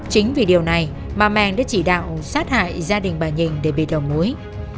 chính vì điều này mà màng đã chỉ đạo sát hại gia đình bà nhình để bị đồng mối